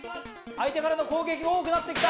相手からの攻撃も多くなって来た。